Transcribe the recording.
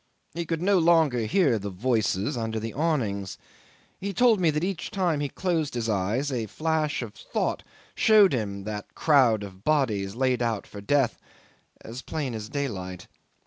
He could no longer hear the voices under the awnings. He told me that each time he closed his eyes a flash of thought showed him that crowd of bodies, laid out for death, as plain as daylight.